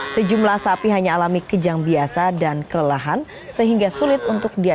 sejumlah sapi hanya alami kejang biasa dan kelelahan sehingga sulit untuk dia